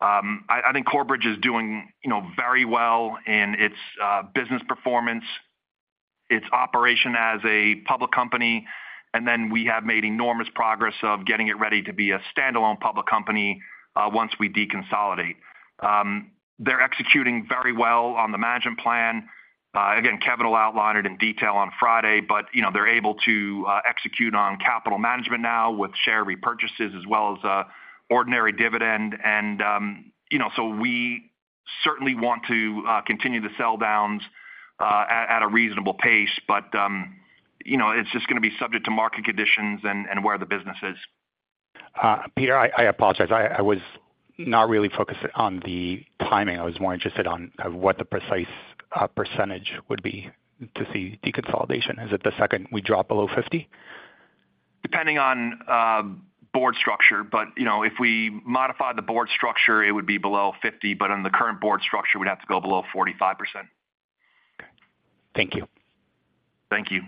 I think Corebridge is doing very well in its business performance, its operation as a public company. We have made enormous progress of getting it ready to be a standalone public company once we deconsolidate. They're executing very well on the management plan. Again, Kevin will outline it in detail on Friday. They're able to execute on capital management now with share repurchases as well as ordinary dividend. So we certainly want to continue the sell-downs at a reasonable pace. It's just going to be subject to market conditions and where the business is. Peter, I apologize. I was not really focused on the timing. I was more interested in what the precise percentage would be to see deconsolidation. Is it the second we drop below 50%? Depending on board structure. If we modify the board structure, it would be below 50%. On the current board structure, we'd have to go below 45%. Okay. Thank you. Thank you.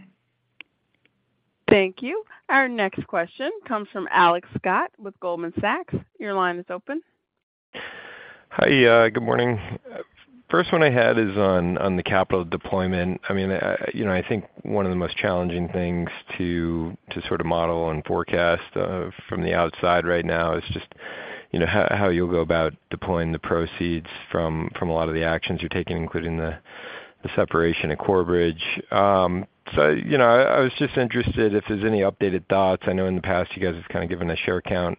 Thank you. Our next question comes from Alex Scott with Goldman Sachs. Your line is open. Hi. Good morning. First one I had is on the capital deployment. I mean, I think one of the most challenging things to sort of model and forecast from the outside right now is just how you'll go about deploying the proceeds from a lot of the actions you're taking, including the separation at Corebridge Financial. I was just interested if there's any updated thoughts. I know in the past, you guys have kind of given a share count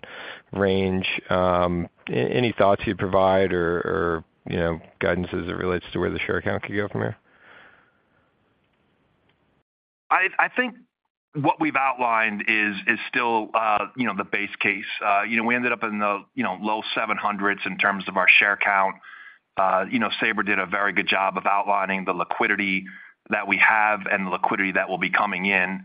range. Any thoughts you'd provide or guidance as it relates to where the share count could go from here? I think what we've outlined is still the base case. We ended up in the low 700s in terms of our share count. Sabra did a very good job of outlining the liquidity that we have and the liquidity that will be coming in.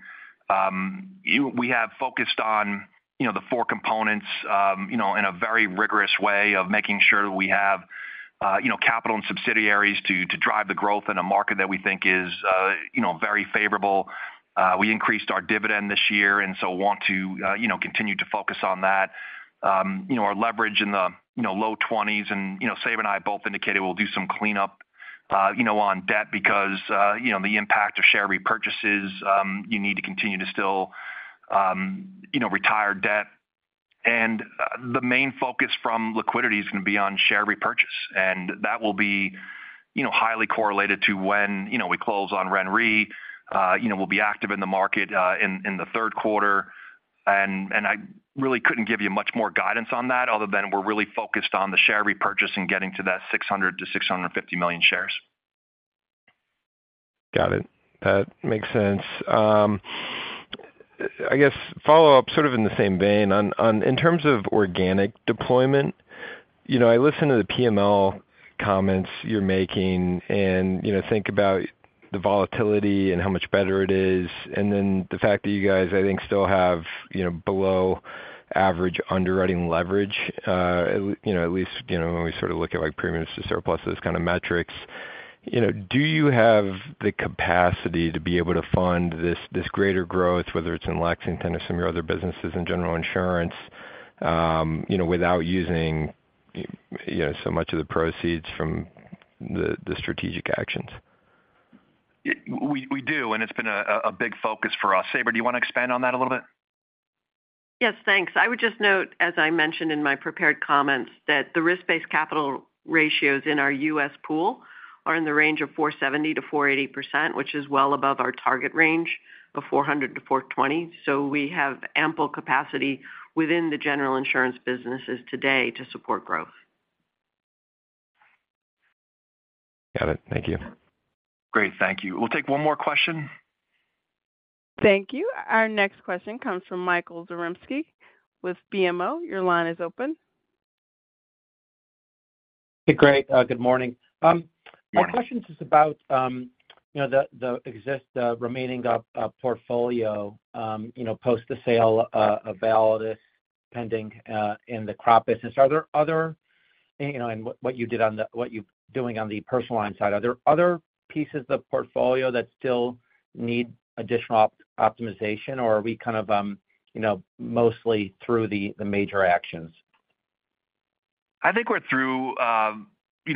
We have focused on the four components in a very rigorous way of making sure that we have capital and subsidiaries to drive the growth in a market that we think is very favorable. We increased our dividend this year, want to continue to focus on that. Our leverage in the low 20s. Sabra and I both indicated we'll do some cleanup on debt because the impact of share repurchases, you need to continue to still retired debt. The main focus from liquidity is going to be on share repurchase. That will be highly correlated to when we close on Validus Re. We'll be active in the market in the third quarter. I really couldn't give you much more guidance on that other than we're really focused on the share repurchase and getting to that 600 million-650 million shares. Got it. That makes sense. I guess follow up sort of in the same vein. In terms of organic deployment, I listen to the PML comments you're making and think about the volatility and how much better it is. Then the fact that you guys, I think, still have below-average underwriting leverage, at least when we sort of look at premiums to surplus, those kind of metrics. Do you have the capacity to be able to fund this greater growth, whether it's in Lexington or some of your other businesses in general insurance, without using so much of the proceeds from the strategic actions? We do. It's been a big focus for us. Sabra, do you want to expand on that a little bit? Yes. Thanks. I would just note, as I mentioned in my prepared comments, that the risk-based capital ratios in our US pool are in the range of 470%-480%, which is well above our target range of 400%-420%. We have ample capacity within the general insurance businesses today to support growth. Got it. Thank you. Great. Thank you. We'll take one more question. Thank you. Our next question comes from Michael Zaremski with BMO. Your line is open. Hey, Greg. Good morning. Good morning. My question is about the remaining portfolio post the sale of Validus Re pending in the crop business. Are there other and what you did on the what you're doing on the personal line side, are there other pieces of the portfolio that still need additional optimization? Or are we kind of mostly through the major actions? I think we're through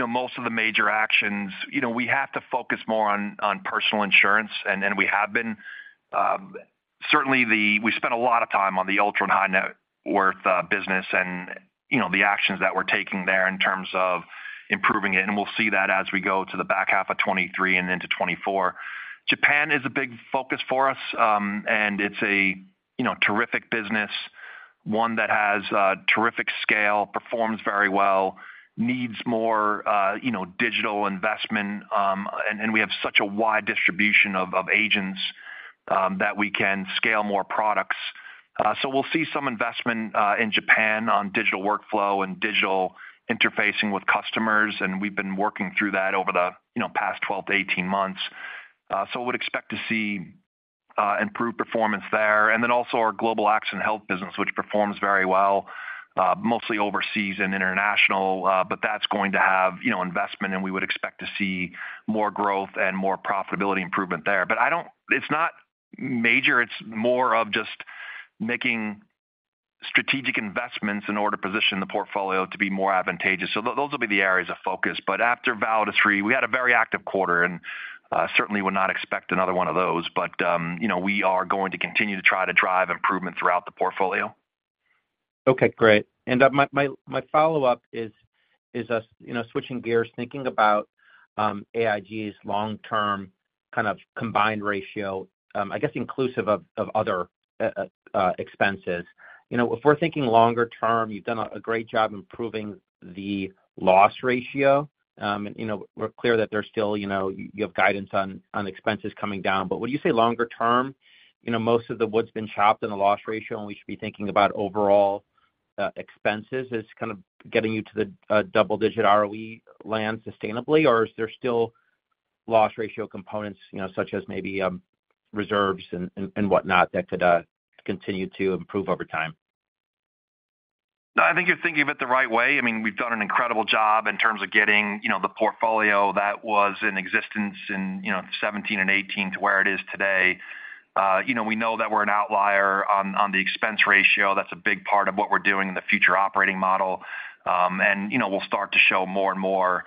most of the major actions. We have to focus more on personal insurance. We have been certainly, we spent a lot of time on the ultra and high net worth business and the actions that we're taking there in terms of improving it. We'll see that as we go to the back half of 2023 and into 2024. Japan is a big focus for us. It's a terrific business, one that has terrific scale, performs very well, needs more digital investment. We have such a wide distribution of agents that we can scale more products. We'll see some investment in Japan on digital workflow and digital interfacing with customers. We've been working through that over the past 12-18 months. We would expect to see improved performance there. Then also our global accident and health business, which performs very well, mostly overseas and international. That's going to have investment. We would expect to see more growth and more profitability improvement there. It's not major. It's more of just making strategic investments in order to position the portfolio to be more advantageous. Those will be the areas of focus. After Validus Re, we had a very active quarter. Certainly, we would not expect another one of those. We are going to continue to try to drive improvement throughout the portfolio. Okay. Great. My follow-up is switching gears, thinking about AIG's long-term kind of combined ratio, I guess inclusive of other expenses. If we're thinking longer term, you've done a great job improving the loss ratio. We're clear that there's still you have guidance on expenses coming down. Would you say longer term, most of the wood's been chopped in the loss ratio. We should be thinking about overall expenses is kind of getting you to the double-digit ROE land sustainably? Is there still loss ratio components such as maybe reserves and whatnot that could continue to improve over time? No. I think you're thinking of it the right way. I mean, we've done an incredible job in terms of getting the portfolio that was in existence in 2017 and 2018 to where it is today. We know that we're an outlier on the expense ratio. That's a big part of what we're doing in the future operating model. We'll start to show more and more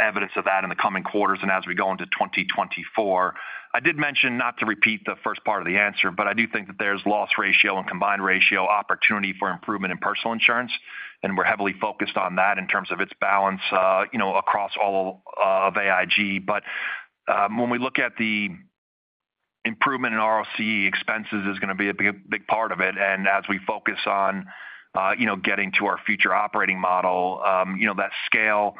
evidence of that in the coming quarters and as we go into 2024. I did mention, not to repeat the first part of the answer, but I do think that there's loss ratio and combined ratio opportunity for improvement in personal insurance. We're heavily focused on that in terms of its balance across all of AIG. When we look at the improvement in ROCE, expenses is going to be a big part of it. As we focus on getting to our future operating model, that scale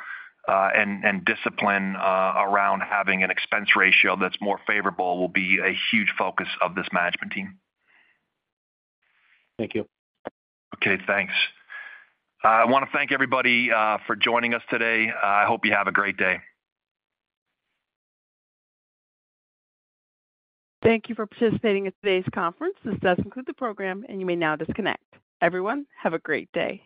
and discipline around having an expense ratio that's more favorable will be a huge focus of this management team. Thank you. Okay. Thanks. I want to thank everybody for joining us today. I hope you have a great day. Thank you for participating in today's conference. This does conclude the program. You may now disconnect. Everyone, have a great day.